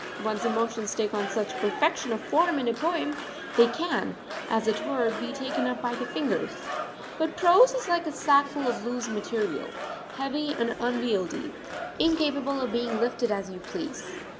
One's emotions take on such perfection of form in a poem; they can, as it were, be taken up by the fingers. But prose is like a sackful of loose material, heavy and unwieldy, incapable of being lifted as you please.